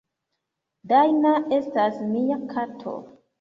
"Dajna estas mia kato.